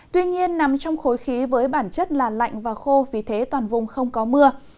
tuy nhiên nằm trong khối khí với bản chất là lạnh và khô vì thế toàn vùng không có mưa